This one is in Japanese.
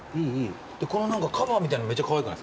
このカバーみたいなのめっちゃかわいくないっすか？